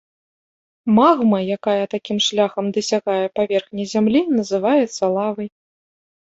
Магма, якая такім шляхам дасягае паверхні зямлі, называецца лавай.